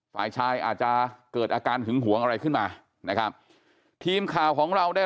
ฝ่ายชายอาจจะเกิดอาการหึงหวงอะไรขึ้นมานะครับทีมข่าวของเราได้